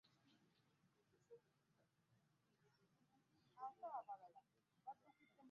Lwaki bagabide bali obubonero bwaffe?